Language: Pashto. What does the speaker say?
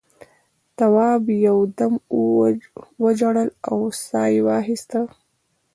تواب یو دم وژړل او سا یې واخیسته.